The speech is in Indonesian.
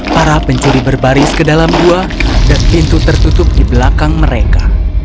para pencuri berbaris ke dalam gua dan pintu tertutup di belakang mereka